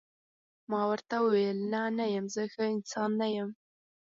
ما ورته وویل: نه، نه یم، زه ښه انسان نه یم.